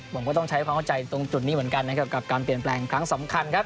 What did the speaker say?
ผมก็ต้องใช้ความเข้าใจตรงจุดนี้เหมือนกันนะครับกับการเปลี่ยนแปลงครั้งสำคัญครับ